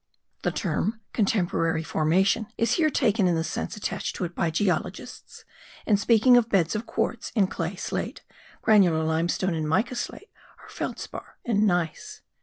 The term contemporary formation is here taken in the sense attached to it by geologists, in speaking of beds of quartz in clay slate, granular limestone in mica slate or feldspar in gneiss.